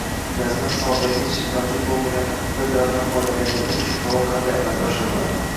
Gazni hisobgich mavjud bo‘lmagan taqdirda gazdan foydalanganlik uchun to‘lov qanday amalga oshiriladi?